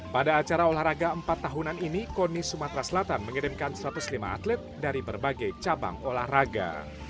pada acara olahraga empat tahunan ini koni sumatera selatan mengirimkan satu ratus lima atlet dari berbagai cabang olahraga